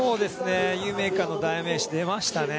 夢海の代名詞出ましたね。